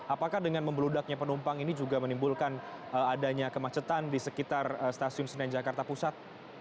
apakah dengan membeludaknya penumpang ini juga menimbulkan adanya kemacetan di sekitar stasiun senen jakarta pusat